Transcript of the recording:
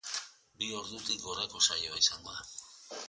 Bi ordutik gorako saioa izango da.